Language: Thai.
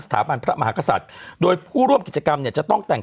พระมหากษัตริย์โดยผู้ร่วมกิจกรรมเนี่ยจะต้องแต่ง